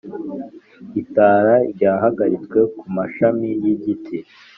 itara ryahagaritswe kumashami yigiti.